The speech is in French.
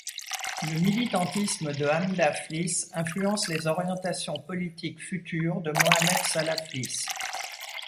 Le militantisme de Hamda Fliss influence les orientations politiques futures de Mohamed Salah Fliss.